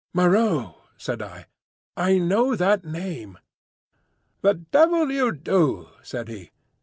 "Moreau!" said I. "I know that name." "The devil you do!" said he.